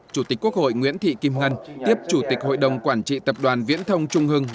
chủ tịch quốc hội nguyễn thị kim ngân tiếp chủ tịch hội đồng quản trị tập đoàn viễn thông trung hưng